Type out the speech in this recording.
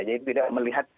jadi tidak melihat